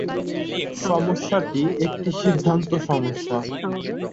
সমস্যাটি একটি সিদ্ধান্ত সমস্যা।